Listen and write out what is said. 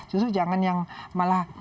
justru jangan yang malah